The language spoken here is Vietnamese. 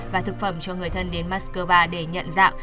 và thực phẩm cho người thân đến moscow để nhận dạng